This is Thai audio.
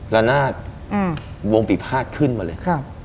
แล้วหน้าวงปีภาษณ์ขึ้นมาเลย